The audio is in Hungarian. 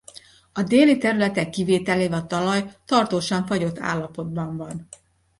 A déli területek kivételével a talaj tartósan fagyott állapotban van.